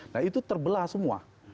nah itu terbelah semua